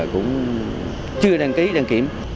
cũng chưa đăng ký đăng kiếm